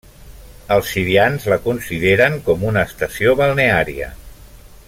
Els sirians la consideren com una estació balneària.